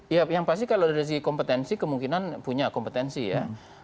ya yang pasti kalau dari sisi kompetensi kemungkinan punya kompetensi ya